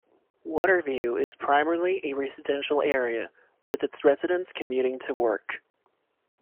Waterview is primarily a residential area, with its residents commuting to work.